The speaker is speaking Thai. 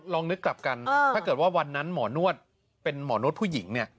ลองนึกกลับกันถ้าเกิดว่าวันนั้นหมอนวดเป็นหมอนวดผู้หญิงเนี่ย